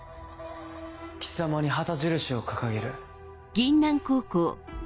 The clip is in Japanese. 貴様に旗印を掲げる。